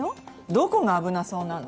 どこが危なそうなの？